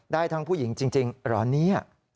ได้ทั้งผู้หญิงจริงเหรอเนี่ย